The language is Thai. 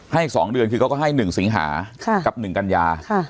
ให้สองเดือนคือก็ให้หนึ่งสิงหากับหนึ่งกันญาค่ะ